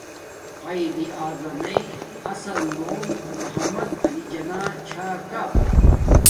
قاݷد اعظم میݵ اصل نوم محمد علی جناح چھا کا